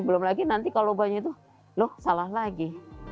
belum lagi nanti kalau banyak tuh loh salah lagi